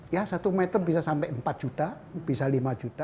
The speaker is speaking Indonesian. ya satu meter bisa sampai empat juta bisa lima juta